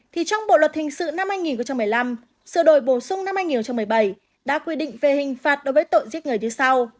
thì trong bộ luật hình sự năm hai nghìn một mươi năm sự đổi bổ sung năm hai nghìn một mươi bảy đã quy định về hình phạt đối với tội giết người như sau